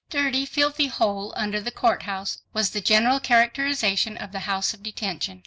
"Dirty, filthy hole under the Court House," was the general characterization of the House of Detention.